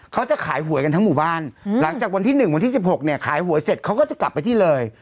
เขาจะขายหวยกันทั้งหมู่บ้านหลังจากวันที่๑วันที่๑๖เนี่ยขายหวยเสร็จเขาก็จะกลับไปที่เลย